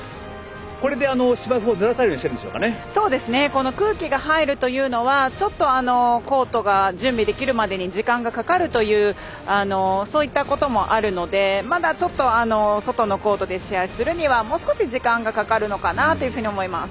これで、芝生をぬらさないようにそうですね、空気が入るというのはちょっとコートが準備できるまでに時間がかかるといったこともあるのでまだちょっと外のコートで試合をするにはもう少し時間がかかるのかなと思います。